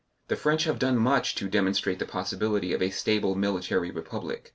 The French have done much to demonstrate the possibility of a stable military republic.